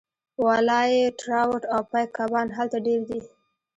والای ټراوټ او پایک کبان هلته ډیر دي